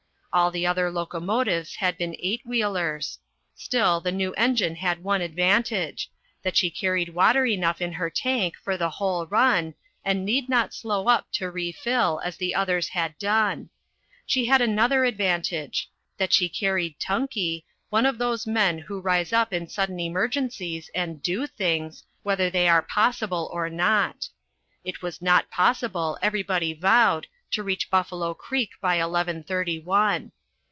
All the other locomotives had been eight wheelers. Still, the new engine had one advantage, that she carried water enough in her tank for the whole run, and need not slow up to refill, as the others had done. She had another advantage that she carried Tunkey, one of those men who rise up in sudden emergencies and do things, whether they are possible or not. It was not possible, everybody vowed, to reach Buffalo Creek by eleven thirty one.